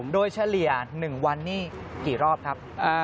โดยเฉลี่ย๑วันนี้กี่รอบครับ